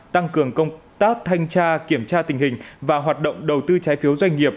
tăng cường công tác thanh tra kiểm tra tình hình và hoạt động đầu tư trái phiếu doanh nghiệp